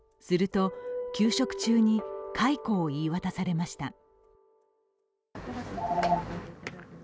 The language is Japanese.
すると、休職中に解雇を言い渡されました。